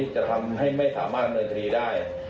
จะทำให้ไม่สามารถดำเนินคดีได้